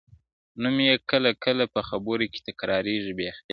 نوم يې کله کله په خبرو کي تکراريږي بې اختياره,